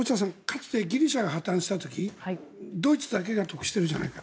かつてギリシャが破たんした時ドイツだけが得してるじゃない。